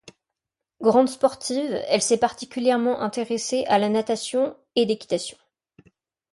Grande sportive elle s'est particulièrement intéressée à la natation et d'équitation.